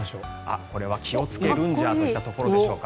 これは気をつけようといったところでしょうか。